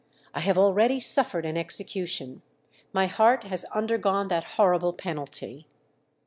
I have already suffered an execution; my heart has undergone that horrible penalty."